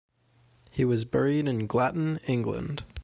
He was buried in Glatton, England.